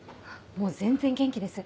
もう全然元気です。